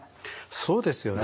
そうですよね。